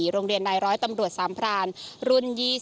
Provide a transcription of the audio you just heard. โรงเรียนนายร้อยตำรวจสามพรานรุ่น๒๐